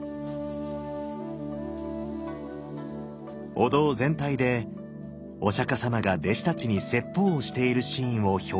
お堂全体でお釈様が弟子たちに説法をしているシーンを表現しています。